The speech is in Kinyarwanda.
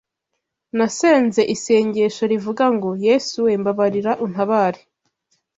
nasenze isengesho rivuga ngo: “Yesu we, mbabarira untabare